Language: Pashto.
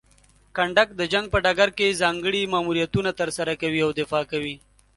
کنډک د جنګ په ډګر کې ځانګړي ماموریتونه ترسره کوي او دفاع کوي.